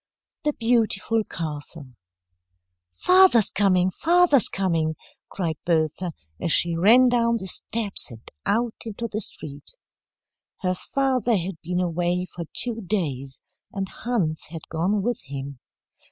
THE BEAUTIFUL CASTLE "FATHER'S coming, father's coming," cried Bertha, as she ran down the steps and out into the street. Her father had been away for two days, and Hans had gone with him.